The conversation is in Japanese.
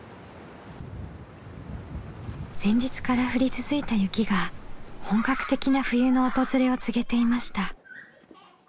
前日から降り続いた雪が本格的な冬の訪れを告げていました。